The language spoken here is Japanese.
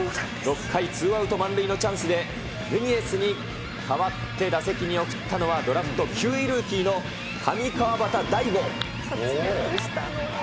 ６回、ツーアウト満塁のチャンスで、ルミエスに代わって打席に送ったのは、ドラフト９位ルーキーの上川畑大悟。